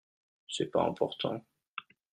C'est pas important.